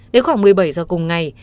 đến khoảng một mươi bảy giờ cùng ngày